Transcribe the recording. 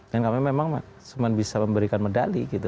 dan kami memang cuma bisa memberikan medali gitu